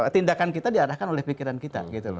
tindakan kita diarahkan oleh pikiran kita